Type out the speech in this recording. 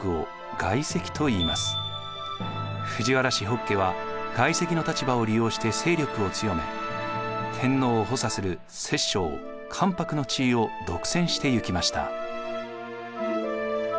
北家は外戚の立場を利用して勢力を強め天皇を補佐する摂政・関白の地位を独占していきました。